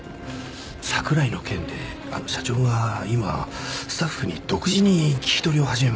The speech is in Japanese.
櫻井の件であの社長が今スタッフに独自に聞き取りを始めました。